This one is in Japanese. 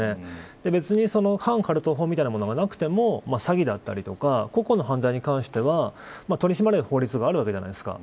別に、反カルト法みたいなものがなくても詐欺だったり個々の犯罪に関しては取り締まる法律があるわけじゃないですか。